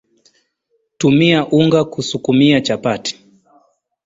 tumia unga kusukumia chapati